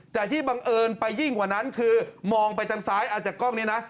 แต่ที่บังเอิญไปยิ่งกว่านั้นคือมองไปทางซ้ายอาจจะกล้องนี้นะ